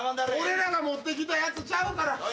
俺らが持ってきたやつちゃうから。